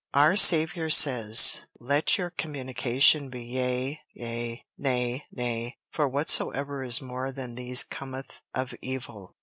Our Saviour says, 'Let your communication be Yea, yea, Nay, nay, for whatsoever is more than these cometh of evil.'